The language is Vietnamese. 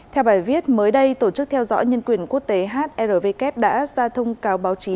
theo bài viết mới đây tổ chức theo dõi nhân quyền quốc tế hrvk đã ra thông cáo báo chí